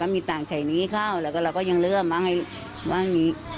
มีต่างชัยนี้เข้าแล้วก็เราก็ยังเลือบบ้างไงบ้างนี้